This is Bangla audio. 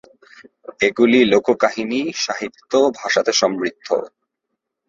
এগুলি লোককাহিনী, সাহিত্য, ভাষাতে সমৃদ্ধ।